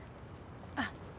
あっ。